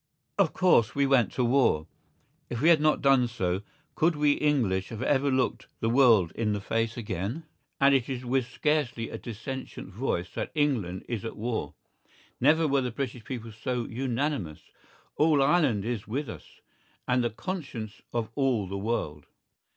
Of course, we went to war. If we had not done so, could we English have ever looked the world in the face again? And it is with scarcely a dissentient voice that England is at war. Never were the British people so unanimous; all Ireland is with us, and the conscience of all the world.